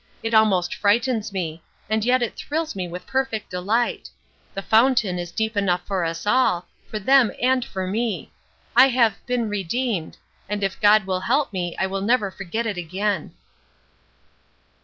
It almost frightens me. And yet it thrills me with perfect delight. The fountain is deep enough for us all for them and for me. I have 'been redeemed,' and if God will help me I will never forget it again."